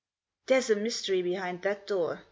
" There's a mystery behind that door.